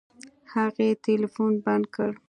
هغې ټلفون بند کړ.